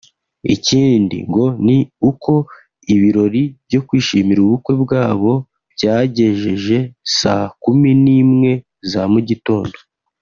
Ikindi ngo ni uko ibirori byo kwishimira ubukwe bwabo byagejeje saa kumi n’imwe za mu gitondo